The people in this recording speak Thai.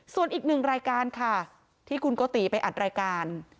ส่วนอีกหนึ่งรายการค่ะที่คุณโกติไปอัดรายการ